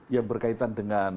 yang berkaitan dengan